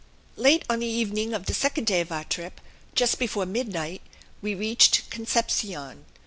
Late on the evening of the second day of our trip, just before midnight, we reached Concepcion.